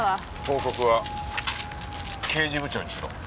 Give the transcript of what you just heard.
報告は刑事部長にしろ。